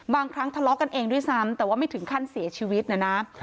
บางครั้งทะเลาะกันเองด้วยซ้ำแต่ว่าไม่ถึงขั้นเสียชีวิตนะนะ